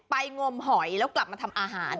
งมหอยแล้วกลับมาทำอาหาร